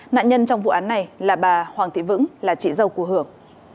nạn nhân trong vụ án này là bà hoàng thị vững là chị dâu của hưởng